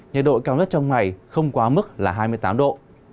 nhiệt độ cao nhất trong ngày không quá mức là hai mươi tám độ